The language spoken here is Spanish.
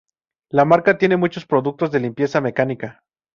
La marca tiene muchos productos de limpieza mecánica.